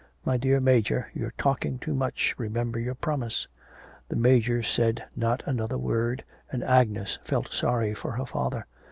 'My dear Major, you're talking too much, remember your promise.' The Major said not another word, and Agnes felt sorry for her father.